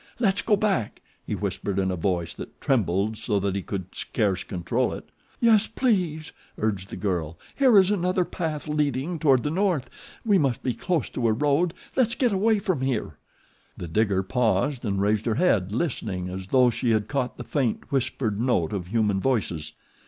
"Let's go back," he whispered in a voice that trembled so that he could scarce control it. "Yes, please," urged the girl. "Here is another path leading toward the north. We must be close to a road. Let's get away from here." The digger paused and raised her head, listening, as though she had caught the faint, whispered note of human voices.